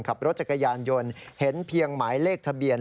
ขับรถจักรยานยนต์เห็นเพียงหมายเลขทะเบียน